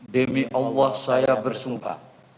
demi allah saya bersumpah